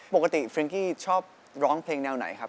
ปกติฟริ้งกี้ชอบร้องเพลงแนวไหนครับ